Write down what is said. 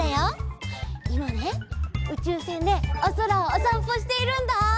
いまねうちゅうせんでおそらをおさんぽしているんだ！